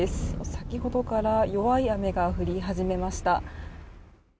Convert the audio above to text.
先ほどから弱い雨が降り始めました。